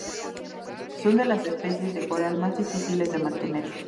Son de las especies de coral más difíciles de mantener.